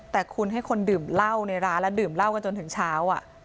แต่คุณให้คนดื่มเหล้าในร้านแล้วดื่มเหล้ากันจนถึงเช้า